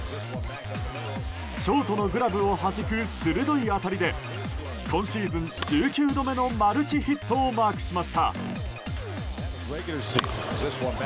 ショートのグラブをはじく鋭い当たりで今シーズン１９度目のマルチヒットをマークしました。